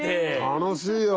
楽しいよ！